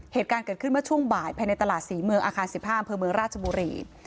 เหตุการณ์เกิดขึ้นเมื่อช่วงบ่ายภายในตลาดศรีเมืองอาคาร๑๕อำเภอเมืองราชบุรี